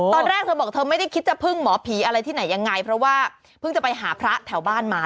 ตอนแรกเธอบอกเธอไม่ได้คิดจะพึ่งหมอผีอะไรที่ไหนยังไงเพราะว่าเพิ่งจะไปหาพระแถวบ้านมา